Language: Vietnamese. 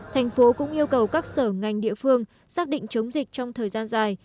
thành phố cũng yêu cầu các sở ngành địa phương xác định chống dịch trong thời gian dài